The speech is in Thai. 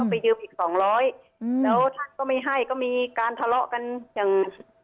ไปยืมอีกสองร้อยอืมแล้วท่านก็ไม่ให้ก็มีการทะเลาะกันอย่าง